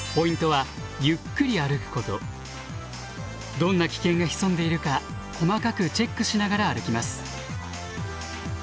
どんな危険が潜んでいるか細かくチェックしながら歩きます。